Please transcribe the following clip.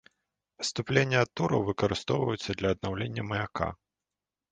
Паступлення ад тураў выкарыстоўваюцца для аднаўлення маяка.